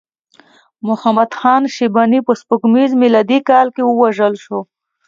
محمد خان شیباني په سپوږمیز میلادي کال کې ووژل شو.